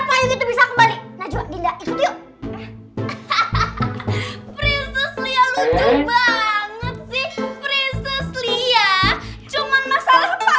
payung itu bisa kembali ikut yuk hahaha prizes lihat lucu banget sih prizes liya cuman masalah